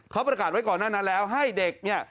เขาประกาศไว้ก่อนหน้านั้นแล้วให้เด็กเนี่ย